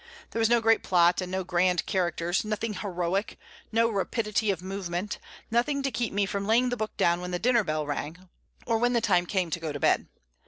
There was no great plot and no grand characters; nothing heroic, no rapidity of movement; nothing to keep me from laying the book down when the dinner bell rang, or when the time came to go to bed.